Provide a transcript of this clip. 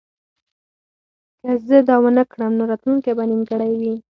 که زه دا ونه کړم نو راتلونکی به نیمګړی وي